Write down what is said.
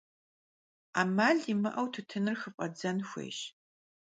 'emal yimı'eu tutınır xıf'ebzen xuêyş.